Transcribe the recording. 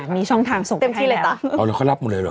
มีช่องทางส่งไปให้แล้วเอาแล้วเข้ารับมุเรนิทิศเหรอ